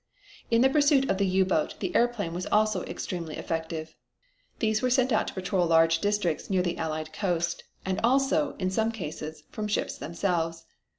In the pursuit of the U boat the airplane was also extremely effective. These were sent out to patrol large districts near the Allied coast, and also, in some cases, from ships themselves.